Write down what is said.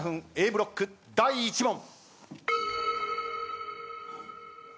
Ａブロック第１問。